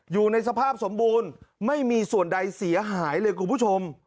อยู่ในสภาพสมบูรณ์ไม่มีส่วนใดเสียหายเลยคุณผู้ชม